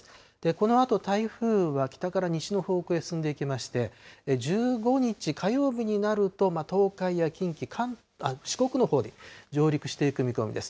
このあと、台風は北から西の方向へ進んでいきまして、１５日火曜日になると、東海や近畿、四国のほうに上陸していく見込みです。